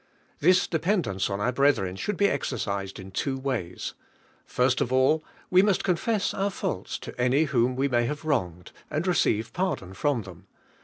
This dependence on our brethren should he exercised in two ways. Firs! uf . ill we iiiusl confess run' faults to any whom we may have wronged, and receive pardon from tliem.